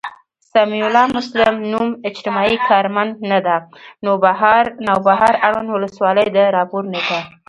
سمیع الله مسلم، نـــوم، اجتماعي کارمنددنــده، نوبهار، اړونــد ولسـوالـۍ، د راپــور نیــټه